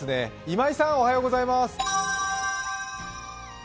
今井さんおはようございます。